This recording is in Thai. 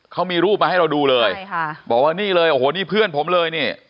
เขามีรูปมาให้เราดูเลยใช่ค่ะบอกว่านี่เลยโอ้โหนี่เพื่อนผมเลยนี่